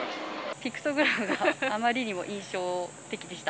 ピクトグラムが、あまりにも印象的でした。